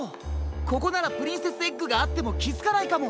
ここならプリンセスエッグがあってもきづかないかも。